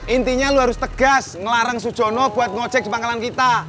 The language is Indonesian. intinya lu harus tegas ngelarang su jono buat ngejek di pangkalan kita